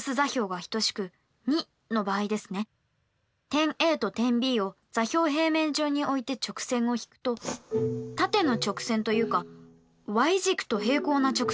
点Ａと点Ｂを座標平面上に置いて直線を引くと縦の直線というかｙ軸と平行な直線になりますね。